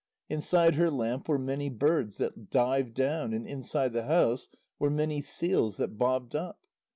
Inside her lamp were many birds that dived down, and inside the house were many seals that bobbed up.